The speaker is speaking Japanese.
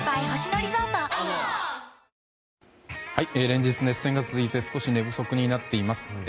連日、熱戦が続いて少し寝不足になっています。